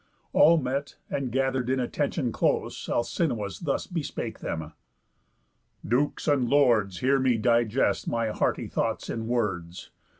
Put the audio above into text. All met, and gather'd in attention close, Alcinous thus bespake them: "Dukes, and lords, Hear me digest my hearty thoughts in words.